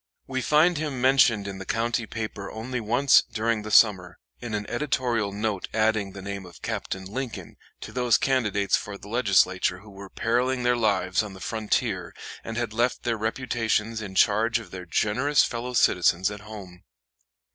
We find him mentioned in the county paper only once during the summer, in an editorial note adding the name of Captain Lincoln to those candidates for the Legislature who were periling their lives on the frontier and had left their reputations in charge of their generous fellow citizens at home.